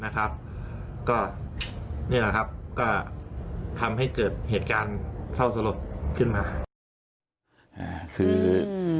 ก็ทำให้เกิดเหตุการณ์เซาเสลอดขึ้นมา